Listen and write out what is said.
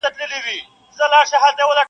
o هم لوېدلی یې له پامه د خپلوانو,